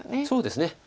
そうですね。